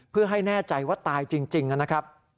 เพื่อให้แน่ใจว่าตายจริงนะครับ